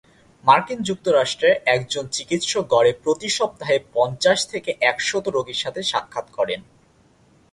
মার্কিন যুক্তরাষ্ট্রে একজন চিকিৎসক গড়ে প্রতি সপ্তাহে পঞ্চাশ থেকে একশত রোগীর সাথে সাক্ষাৎ করেন।